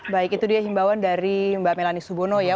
baik itu dia himbawan dari mbak melanie subono ya